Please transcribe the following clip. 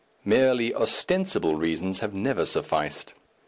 Merely ostensible reasons have never sufficed.